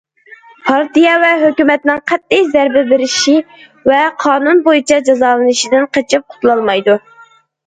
پارتىيە ۋە ھۆكۈمەتنىڭ قەتئىي زەربە بېرىشى ۋە قانۇن بويىچە جازالىشىدىن قېچىپ قۇتۇلالمايدۇ.